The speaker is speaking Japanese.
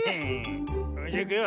それじゃいくよ。